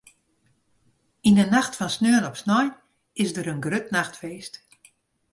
Yn 'e nacht fan sneon op snein is der in grut nachtfeest.